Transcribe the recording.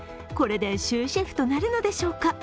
これで終止符となるのでしょうか。